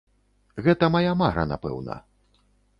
Гэта мая мара, напэўна.